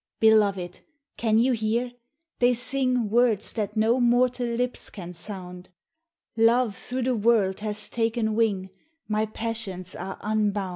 Beloved, can you hear? They sing Words that no mortal lips can sound ; Love through the world has taken wing, My passions are unbound.